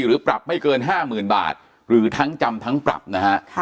หรือปรับไม่เกิน๕๐๐๐บาทหรือทั้งจำทั้งปรับนะฮะ